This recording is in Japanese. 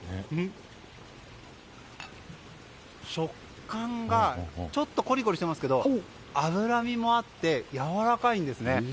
食感がちょっとコリコリしていますけど脂身もあってやわらかいんですね。